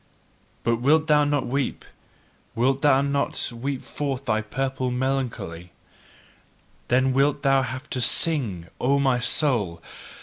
But wilt thou not weep, wilt thou not weep forth thy purple melancholy, then wilt thou have to SING, O my soul!